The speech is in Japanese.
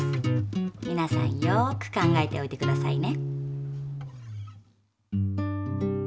みなさんよく考えておいてくださいね。